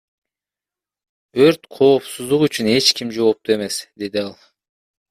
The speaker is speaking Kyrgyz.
Өрт коопсуздугу үчүн эч ким жоопту эмес, — деди ал.